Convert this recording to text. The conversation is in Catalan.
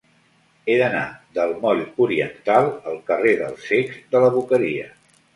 He d'anar del moll Oriental al carrer dels Cecs de la Boqueria.